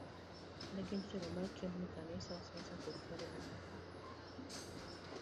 Ne gin jotelo ma kembni, kanise, siasa kod kuonde ma moko.